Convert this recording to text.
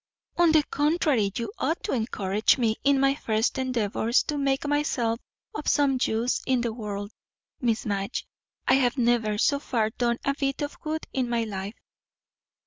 "On the contrary, you ought to encourage me in my first endeavours to make myself of some use in the world. Miss Madge, I have never, so far, done a bit of good in my life."